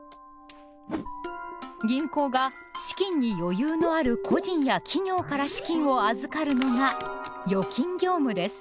銀行が資金に余裕のある個人や企業から資金を預かるのが「預金業務」です。